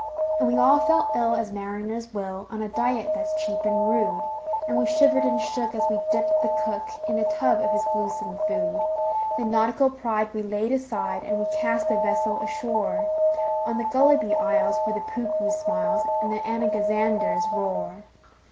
And we all felt ill as mariners will, On a diet that's cheap and rude; And we shivered and shook as we dipped the cook In a tub of his gluesome food. Then nautical pride we laid aside, And we cast the vessel ashore On the Gulliby Isles, where the Poohpooh smiles, And the Anagazanders roar.